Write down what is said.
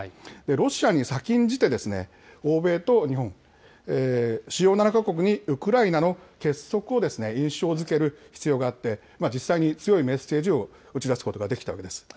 ロシアに先んじて、欧米と日本、主要７か国にウクライナの結束を印象づける必要があって、実際に強いメッセージを打ち出すことができたわけです。